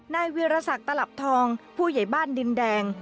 นายเวียรสักตลับทองผู้ใหญ่บ้านดินแดง